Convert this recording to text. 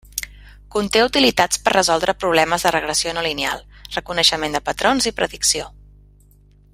Conté utilitats per resoldre problemes de regressió no lineal, reconeixement de patrons i predicció.